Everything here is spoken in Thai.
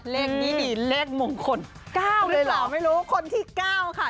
เลขนี้ดีเลขมงคล๙หรือเปล่าไม่รู้คนที่๙ค่ะ